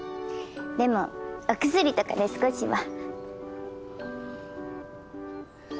でもお薬とかで少しは。